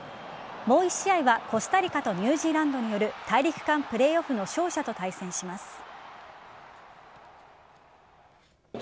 もう１試合は、コスタリカとニュージーランドによる大陸間プレーオフの勝者と対戦します。